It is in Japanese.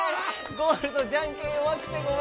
ゴールドじゃんけんよわくてごめん。